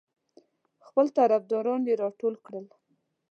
خپل طرفداران یې راټول کړل.